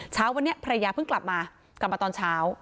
เช้าวันนี้ภรรยาเพิ่งกลับมากลับมาตอนเช้า